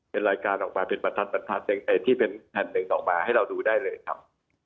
เป็นรายการออกมาเป็นประทัดที่เป็นแผ่นหนึ่งออกมาให้เราดูได้เลยครับ